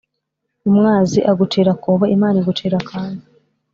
umwazi agucira akobo Imana igucira akanzu